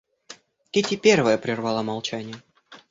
Кити первая прервала молчание.